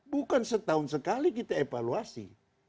bukan setahun sekali kita evaluasi